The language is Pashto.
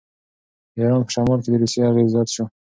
د ایران په شمال کې د روسیې اغېز زیات شو.